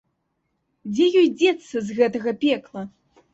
Дзе ёй дзецца з гэтага пекла?